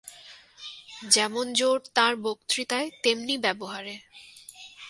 যেমন জোর তাঁর বক্তৃতায় তেমনি ব্যবহারে।